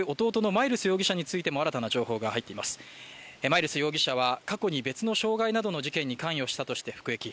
マイルス容疑者は過去に別の傷害などの事件に関与したとして服役。